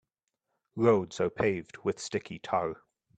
Roads are paved with sticky tar.